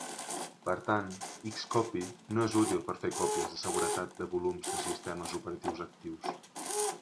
Per tant, Xcopy no és útil per fer còpies de seguretat de volums de sistemes operatius actius.